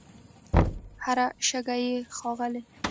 هر شګه یې ښاغلې